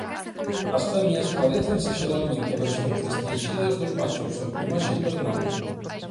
As femias parécense xeralmente a versións destinxidas dos machos en plumaxe invernal.